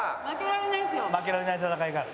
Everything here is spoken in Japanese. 負けられない戦いがある。